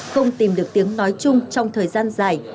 không tìm được tiếng nói chung trong thời gian dài